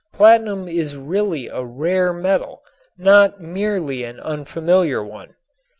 Platinum is really a "rare metal," not merely an unfamiliar one.